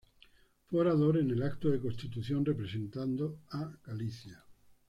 Fue orador en el acto de constitución representado a Galicia.